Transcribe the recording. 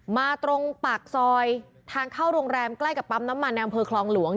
ตรงปากซอยทางเข้าโรงแรมใกล้กับปั๊มน้ำมันในอำเภอคลองหลวง